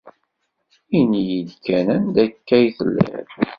Ini-iyi-d kan anda akka ay telliḍ?